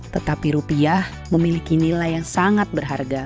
tetapi rupiah memiliki nilai yang sangat berharga